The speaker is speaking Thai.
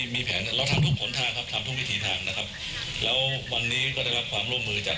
มีแผนเราทำทุกผลทางครับทำทุกวิถีทางนะครับแล้ววันนี้ก็ได้รับความร่วมมือจาก